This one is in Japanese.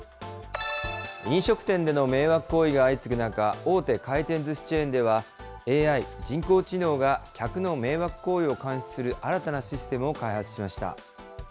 飲食店での迷惑行為が相次ぐ中、大手回転ずしチェーンでは、ＡＩ・人工知能が客の迷惑行為を監視する新たなシステムを開発しました。